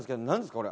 これ。